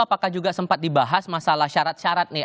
apakah juga sempat dibahas masalah syarat syarat nih